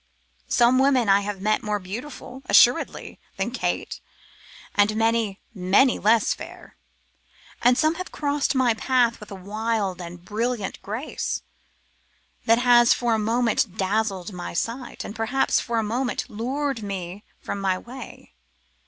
Some women I have met more beautiful, assuredly, than Kate, and many, many less fair; and some have crossed my path with a wild and brilliant grace, that has for a moment dazzled my sight, and perhaps for a moment lured me from my way.